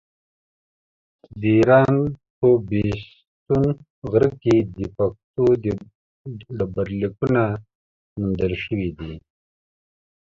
د ايران په بېستون غره کې د پښتو ډبرليکونه موندل شوي دي.